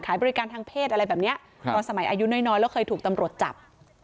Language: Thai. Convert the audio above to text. บริการทางเพศอะไรแบบนี้ตอนสมัยอายุน้อยแล้วเคยถูกตำรวจจับ